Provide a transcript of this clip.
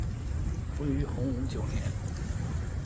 卒于洪武九年。